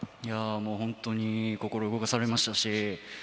本当に、心を動かされましたし。